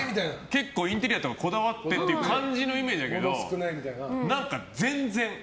結構インテリアとかこだわっているイメージだけど何か全然。